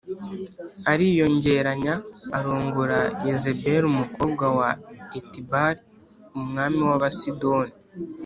ariyongeranya arongora Yezebeli umukobwa wa Etibāli umwami w’Abasidoni